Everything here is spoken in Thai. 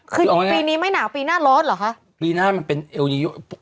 คือปีนี้ไม่หนาวปีหน้าร้อนเหรอคะ